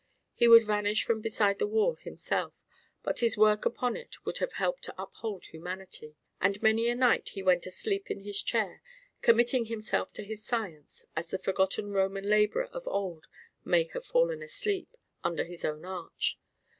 He would vanish from beside the wall himself, but his work upon it would have helped to uphold humanity. And many a night he went asleep in his chair, committing himself to his Science, as the forgotten Roman laborer of old may have fallen asleep under his own arch.